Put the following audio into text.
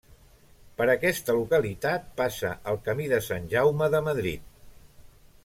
Per aquesta localitat passa el Camí de Sant Jaume de Madrid.